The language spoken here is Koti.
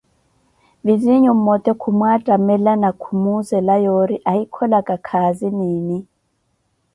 Vizinyu mmote khumwattamela na khumuuzela yoori ohikholaka kaazi niini.